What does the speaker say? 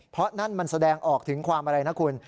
เพราะนั่นมันแสดงออกถึงความอะไรนะคุณ